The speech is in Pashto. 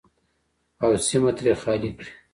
او سیمه ترې خالي کړي.